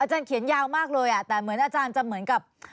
เขียนยาวมากเลยแต่เหมือนอาจารย์จะเหมือนกับ